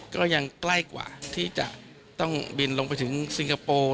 ก็ยังใกล้กว่าที่จะต้องบินลงไปถึงซิงคโปร์